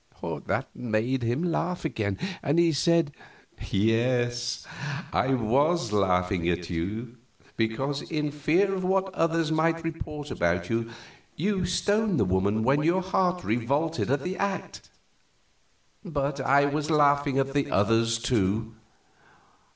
That made him laugh again, and he said, "Yes, I was laughing at you, because, in fear of what others might report about you, you stoned the woman when your heart revolted at the act but I was laughing at the others, too."